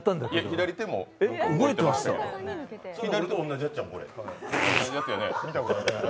左手も同じやつやん。